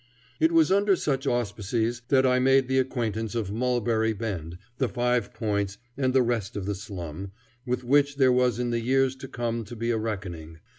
It was under such auspices that I made the acquaintance of Mulberry Bend, the Five Points, and the rest of the slum, with which there was in the years to come to be a reckoning.